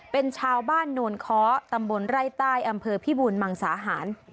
เป็นชาวบ้านโนนค้อตำบลไร่ใต้อำเภอพิบูรมังสาหาร